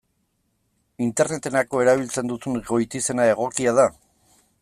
Interneterako erabiltzen duzun goitizena egokia da?